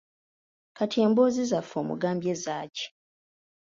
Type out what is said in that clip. Kati emboozi zaffe omugambye zaaki?